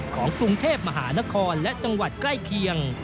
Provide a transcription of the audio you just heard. ของกรุงเทพมหานครและจังหวัดใกล้เคียง